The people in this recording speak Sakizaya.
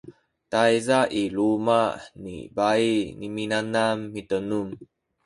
tayza i luma’ ni bai minanam mitenun